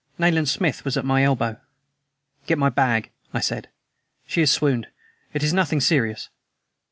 Nayland Smith was at my elbow. "Get my bag" I said. "She has swooned. It is nothing serious."